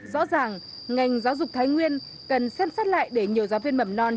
rõ ràng ngành giáo dục thái nguyên cần xem xét lại để nhiều giáo viên mầm non